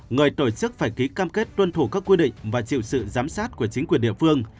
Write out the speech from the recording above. người tổ chức phải ký cam kết tuân thủ các quy định và chịu sự giám sát của chính quyền địa phương